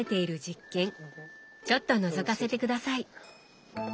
ちょっとのぞかせて下さい！